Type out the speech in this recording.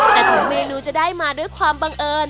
แต่ถึงเมนูจะได้มาด้วยความบังเอิญ